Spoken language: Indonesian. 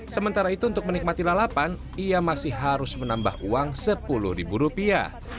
sementara itu untuk menikmati lalapan ia masih harus menambah uang sepuluh ribu rupiah